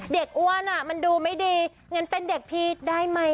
เด็กอ้วนมันดูไม่ดีอย่างนั้นเป็นเด็กพีชได้ไหม